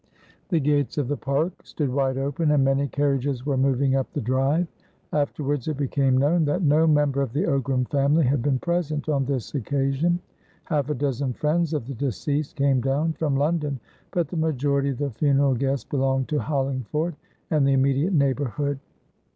The gates of the park stood wide open, and many carriages were moving up the drive. Afterwards, it became known that no member of the Ogram family had been present on this occasion. Half a dozen friends of the deceased came down from London, but the majority of the funeral guests belonged to Hollingford and the immediate neighbourhood.